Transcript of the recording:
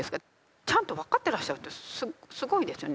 ちゃんと分かってらっしゃるってすごいですよね。